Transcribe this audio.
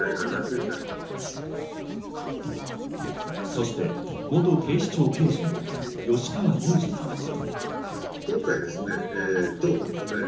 そして元警視庁刑事の吉川祐二さんは。